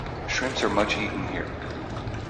Shrimps are much eaten here.